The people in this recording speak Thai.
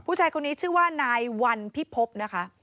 ผู้ชายคนนี้ชื่อว่านายวันพิพบนะคะ